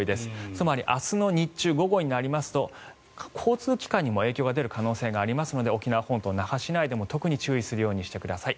つまり、明日の日中午後になりますと交通機関にも影響が出る可能性がありますので沖縄本島、那覇市内でも特に注意するようにしてください。